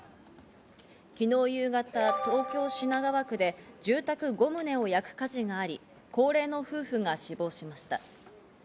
昨日夕方、東京・品川区で住宅５棟を焼く火事があり、高齢の夫婦が死亡しました。